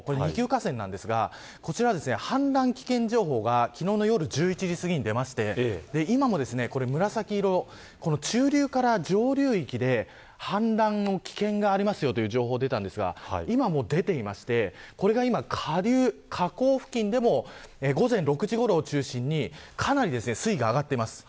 これ、二級河川なんですが氾濫危険情報が昨日の夜１１時すぎに出まして今も紫色、中流から上流域で氾濫の危険がありますという情報が出たんですが今も出ていまして下流、河口付近でも午前６時ごろを中心にかなり水位が上がっています。